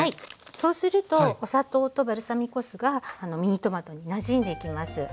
そうするとお砂糖とバルサミコ酢がミニトマトになじんでいきます。